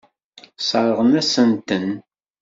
Sseṛɣen-asent-ten.